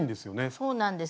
そうなんです。